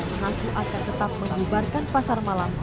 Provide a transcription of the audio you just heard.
mengaku akan tetap membubarkan pasar malam